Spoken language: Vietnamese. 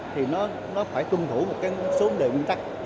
thì nó phải tuân thủ một số vấn đề nguyên tắc